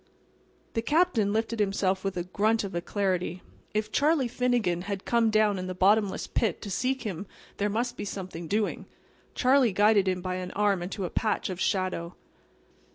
The Captain lifted himself with a grunt of alacrity. If Charlie Finnegan had come down in the bottomless pit to seek him there must be something doing. Charlie guided him by an arm into a patch of shadow.